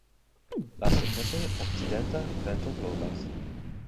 Lastatempe okcidenta vento blovas.